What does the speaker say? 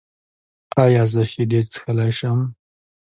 ایا زه شیدې څښلی شم؟